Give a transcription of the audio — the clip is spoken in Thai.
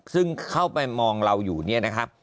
ซึ่งเข้าไปมองเราอยู่เนี่ยนะครับ